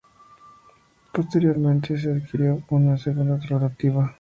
Posteriormente se adquirió una segunda rotativa.